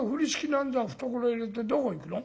なんざ懐へ入れてどこ行くの？